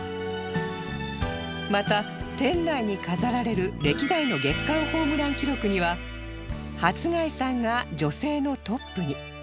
また店内に飾られる歴代の月間ホームラン記録には初谷さんが女性のトップに